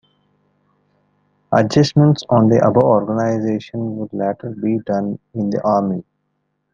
Adjustments on the above organization would latter be done in the Army.